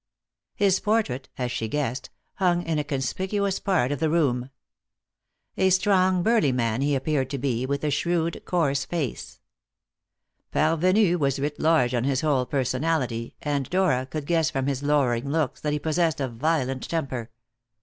His portrait as she guessed hung in a conspicuous part of the room. A strong, burly man he appeared to be, with a shrewd, coarse face. Parvenu was writ large on his whole personality, and Dora could guess from his lowering looks that he possessed a violent temper.